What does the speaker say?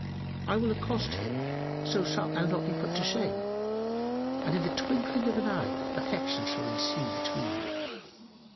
I will accost him: so shalt thou not be put to shame, and in the twinkling of an eye affection shall ensue between you."